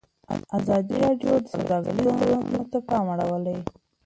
ازادي راډیو د سوداګریز تړونونه ته پام اړولی.